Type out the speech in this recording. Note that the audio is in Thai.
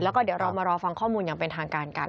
แล้วก็เดี๋ยวเรามารอฟังข้อมูลอย่างเป็นทางการกัน